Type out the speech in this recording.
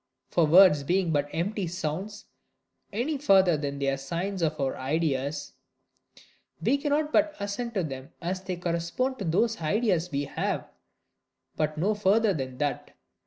For words being but empty sounds, any further than they are signs of our ideas, we cannot but assent to them as they correspond to those ideas we have, but no further than that.